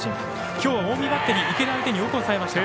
今日は近江バッテリー池田相手によく抑えました。